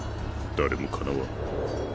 誰もかなわん